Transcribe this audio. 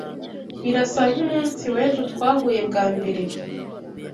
Birasa nkumunsi wejo twahuye bwa mbere.